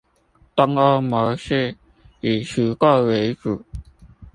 東歐模式以除垢為主